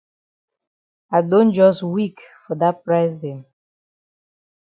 I don jus weak for dat price dem.